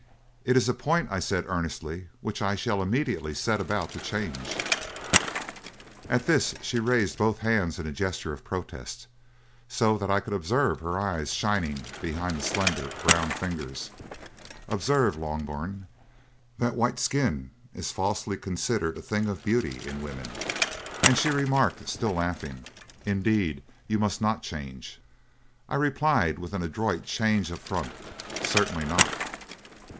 "'It is a point,' I said earnestly, 'which I shall immediately set about to change.' "At this she raised both hands in a gesture of protest, so that I could observe her eyes shining behind the slender, brown fingers observe, Loughburne, that white skin is falsely considered a thing of beauty in women and she remarked, still laughing: 'Indeed, you must not change!' "I replied with an adroit change of front: 'Certainly not.'